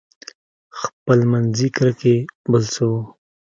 خپلمنځي کرکې بل څه وو.